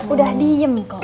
udah diem kok